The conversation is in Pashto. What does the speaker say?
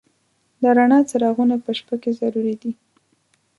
د رڼا څراغونه په شپه کې ضروري دي.